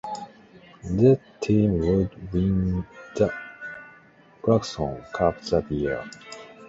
The team would win the Clarkson Cup that year.